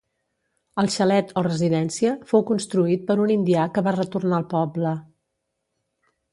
El xalet, o residència, fou construït per un indià que va retornar al poble.